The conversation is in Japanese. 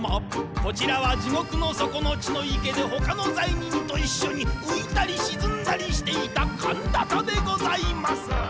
「こちらは地獄の底の血の池で、ほかの罪人と一緒に、浮いたり沈んだりしていたカンダタでございます。」